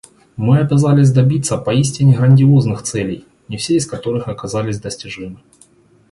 Мы обязались добиться поистине грандиозных целей, не все из которых оказались достижимы.